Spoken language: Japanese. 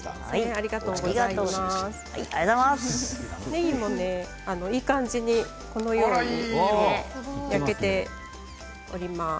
ねぎもいい感じに、このように焼けております。